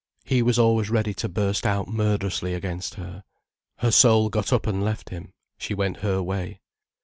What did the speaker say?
He was always ready to burst out murderously against her. Her soul got up and left him, she went her way.